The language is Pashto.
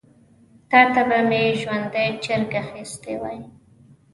تا ته به مي ژوندی چرګ اخیستی وای .